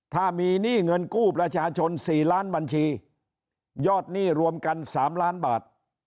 ถ้ามีหนี้เงินกู้ประชาชน๔ล้านบัญชียอดหนี้รวมกัน๓ล้านบาท